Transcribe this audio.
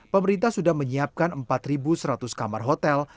pemerintah sudah menyiapkan empat seratus kamar hotel